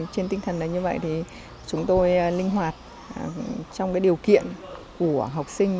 trên tinh thần như vậy thì chúng tôi linh hoạt trong điều kiện của học sinh